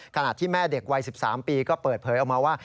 ขณะที่แม่เด็กวัย๑๓ปีก็เปิดเผยออกมาว่า